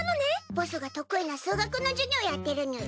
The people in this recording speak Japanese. ボスが得意な数学の授業やってるにゅい。